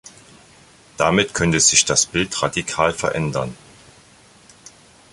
Damit könnte sich das Bild radikal verändern.